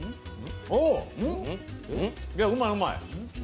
おー、うまいうまい。